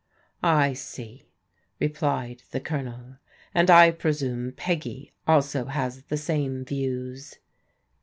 "I see," replied the Colonel, "and I presume Peggy also has the same views."